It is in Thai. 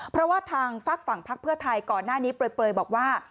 เพราะว่าทางฝากฝั่งพักเพื่อไทยก่อนหน้านี้เปลยบอกว่า